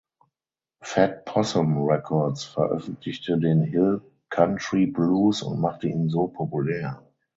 Fat Possum Records veröffentlichte den Hill Country Blues und machte ihn so populär.